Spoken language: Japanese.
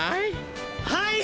はい！